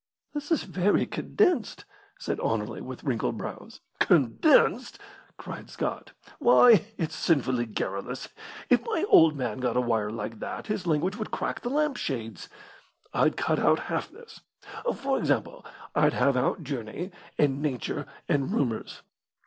"This is very condensed," said Anerley, with wrinkled brows. "Condensed!" cried Scott. "Why, it's sinfully garrulous. If my old man got a wire like that his language would crack the lamp shades. I'd cut out half this; for example, I'd have out 'journey,' and 'nature,' and 'rumours.'